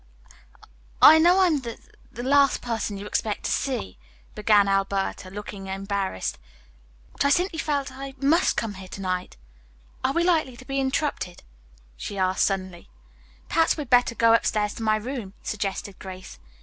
"I know I am the last person you ever expected to see," began Alberta, looking embarrassed, "but I simply felt as though I must come here to night. Are we likely to be interrupted?" she asked suddenly. "Perhaps we had better go upstairs to my room," suggested Grace.